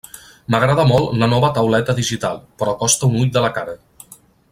M'agrada molt la nova tauleta digital, però costa un ull de la cara.